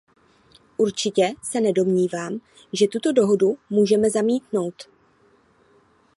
Určitě se nedomnívám, že tuto dohodu můžeme zamítnout.